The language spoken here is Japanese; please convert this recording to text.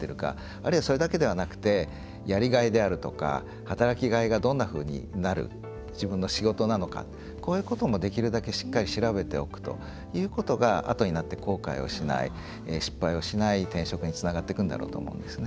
あるいは、それだけじゃなくてやりがいであるとか、働きがいがどんなふうになる自分の仕事なのかこういうこともできるだけしっかり調べておくということがあとになって後悔をしない失敗をしない転職につながっていくんだろうと思うんですね。